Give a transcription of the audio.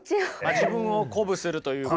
自分を鼓舞するというか。